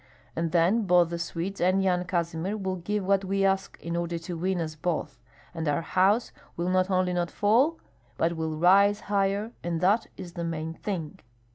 And then both the Swedes and Yan Kazimir will give what we ask in order to win us both; and our house will not only not fall, but will rise higher, and that is the main thing."